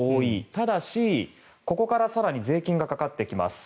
ただし、ここから更に税金がかかってきます。